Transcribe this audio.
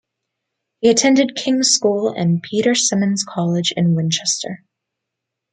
He attended Kings' School and Peter Symonds College in Winchester.